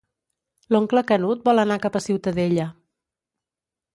L'oncle Canut vol anar cap a Ciutadella.